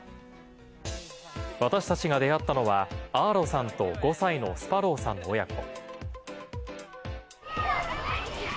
私たちが出会ったのは、アーロさんと５歳のスパロウさんの親子。